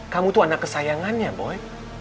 kamu tuh anak kesayangannya boy